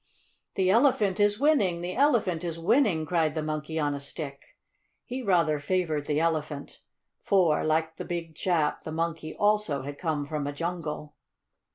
"The Elephant is winning! The Elephant is winning!" cried the Monkey on a Stick. He rather favored the Elephant, for, like the big chap, the Monkey also had come from a jungle.